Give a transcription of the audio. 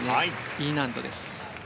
Ｅ難度です。